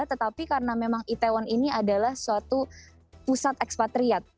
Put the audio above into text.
tetapi karena memang itaewon ini adalah suatu pusat ekspatriat